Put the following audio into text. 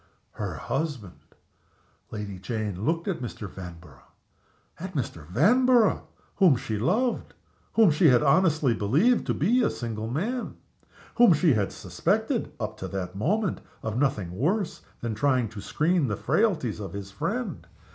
Her husband! Lady Jane looked at Mr. Vanborough at Mr. Vanborough, whom she loved; whom she had honestly believed to be a single man; whom she had suspected, up to that moment, of nothing worse than of trying to screen the frailties of his friend.